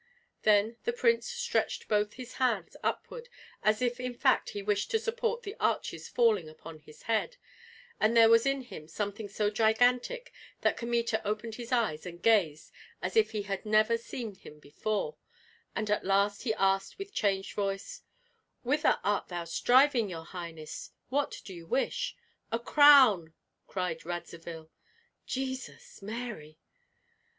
Then the prince stretched both his hands upward, as if in fact he wished to support the arches falling upon his head, and there was in him something so gigantic that Kmita opened his eyes and gazed as if he had never seen him before; and at last he asked with changed voice: "Whither art thou striving, your highness? What do you wish?" "A crown!" cried Radzivill. "Jesus, Mary!"